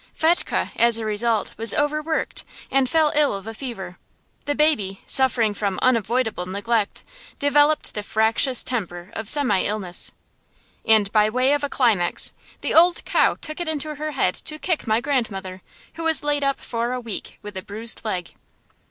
Fetchke, as a result, was overworked, and fell ill of a fever. The baby, suffering from unavoidable neglect, developed the fractious temper of semi illness. And by way of a climax, the old cow took it into her head to kick my grandmother, who was laid up for a week with a bruised leg.